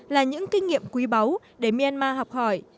là những kinh nghiệm quý báu để myanmar học hỏi